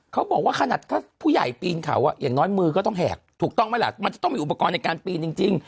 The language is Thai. เขาบอกว่าขนาดถ้าผู้ใหญ่ปีนเขาอย่างน้อยมือก็ต้องแหกถูกต้องไหมล่ะมันจะต้องมีอุปกรณ์ในการปีนจริง